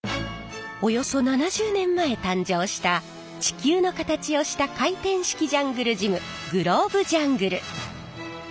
およそ７０年前誕生した地球の形をした回転式ジャングルジムグローブジャングル。